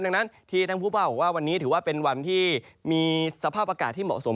ดังนั้นที่ท่านผู้ภาคบอกว่าวันนี้ถือว่าเป็นวันที่มีสภาพอากาศที่เหมาะสม